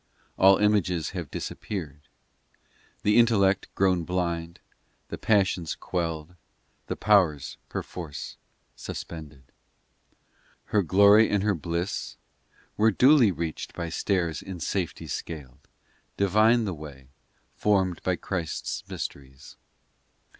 All images have disappeared The intellect grown blind The passions quelled, The powers perforce suspended. VII Her glory and her bliss Were duly reached by stairs In safety scaled ; Divine the way, Formed by Christ s Mysteries.